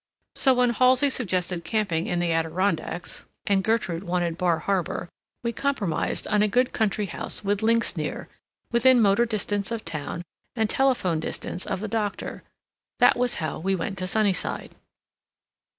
So when Halsey suggested camping in the Adirondacks and Gertrude wanted Bar Harbor, we compromised on a good country house with links near, within motor distance of town and telephone distance of the doctor. That was how we went to Sunnyside.